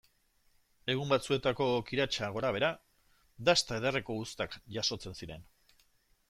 Egun batzuetako kiratsa gorabehera, dasta ederreko uztak jasotzen ziren.